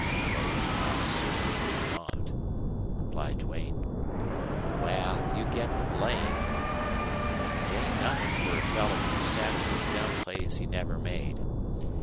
"No, I certainly did not," replied Duane. "Wal, you get the blame. It ain't nothin' for a feller to be saddled with gun plays he never made.